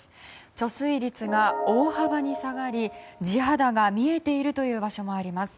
貯水率が大幅に下がり地肌が見えているという場所もあります。